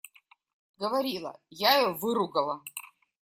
Говорила, я ее выругала.